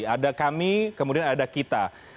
ada kami kemudian ada kita